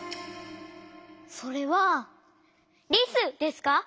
それはリスですか？